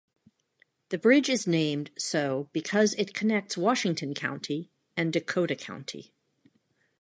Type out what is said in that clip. The bridge is named so because it connects Washington County and Dakota County.